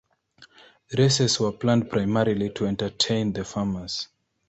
The races were planned primarily to entertain the farmers.